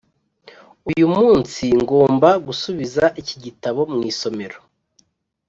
uyu munsi ngomba gusubiza iki gitabo mu isomero.